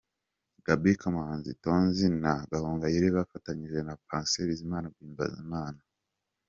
Gaby Kamanzi, Tonzi na Gahonagyire bafatanyije na Patient Biziman guhimbaza Imana.